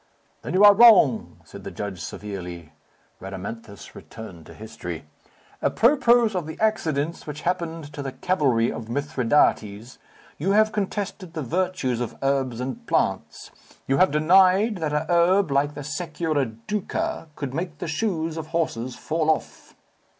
"Then you are wrong," said the judge severely. Rhadamanthus returned to history. "Apropos of the accidents which happened to the cavalry of Mithridates, you have contested the virtues of herbs and plants. You have denied that a herb like the securiduca, could make the shoes of horses fall off."